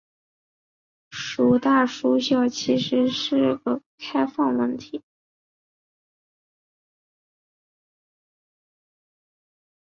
孰大孰小其实是个开放问题。